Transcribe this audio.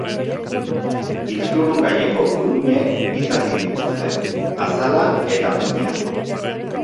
Giltzurrungaineko guruinek bi zati dituzte: azala eta muina.